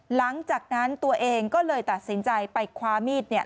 หลังจากนั้นตัวเองก็เลยตัดสินใจไปคว้ามีดเนี่ย